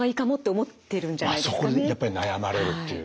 あっそこにやっぱり悩まれるっていう。